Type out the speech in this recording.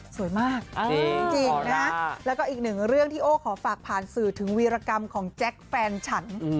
สวยมากจริงนะแล้วก็อีกหนึ่งเรื่องที่โอ้ขอฝากผ่านสื่อถึงวีรกรรมของแจ็คแฟนฉัน